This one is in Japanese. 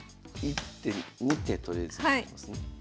１手２手とりあえずいきますね。